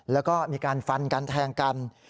แล้วก็มีการฟันกันแทงกัน